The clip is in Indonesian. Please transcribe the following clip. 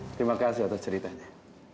terima kasih atas ceritanya